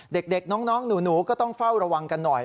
เด็กน้องหนูก็ต้องเฝ้าระวังกันหน่อย